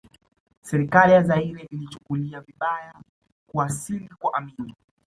Serikali ya Zairea ilichukulia vibaya kuwasili kwa Amin